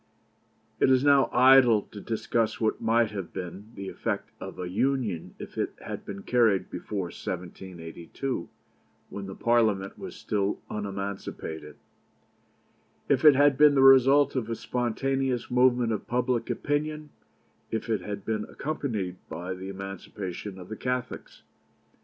It is now idle to discuss what might have been the effect of a Union if it had been carried before 1782, when the Parliament was still unemancipated; if it had been the result of a spontaneous movement of public opinion; if it had been accompanied by the emancipation of the Catholics.